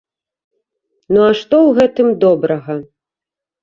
Ну, а што ў гэтым добрага?